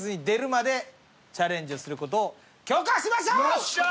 よっしゃ！